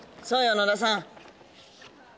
そうよ野田さん。